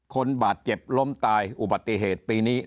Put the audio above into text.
คนบาดเจ็บล้มตายอุบัติเหตุปีนี้